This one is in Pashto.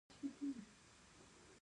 د توت زمینی کښت ګټه لري؟